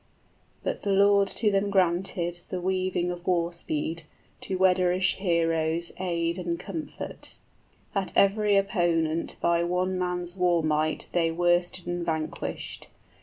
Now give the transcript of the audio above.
But the Lord to them granted The weaving of war speed, to Wederish heroes Aid and comfort, that every opponent By one man's war might they worsted and vanquished, {God rules the world.